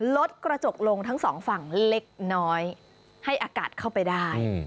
ลดกระจกลงทั้งสองฝั่งเล็กน้อยให้อากาศเข้าไปได้